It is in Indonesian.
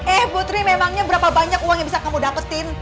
eh putri memangnya berapa banyak uang yang bisa kamu dapetin